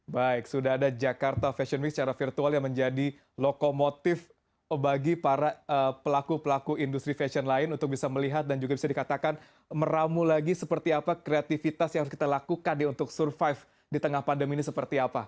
baik sudah ada jakarta fashion week secara virtual yang menjadi lokomotif bagi para pelaku pelaku industri fashion lain untuk bisa melihat dan juga bisa dikatakan meramu lagi seperti apa kreativitas yang harus kita lakukan untuk survive di tengah pandemi ini seperti apa